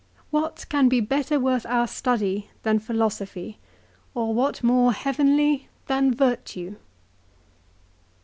What can be better worth our study than philosophy, or what more heavenly than virtue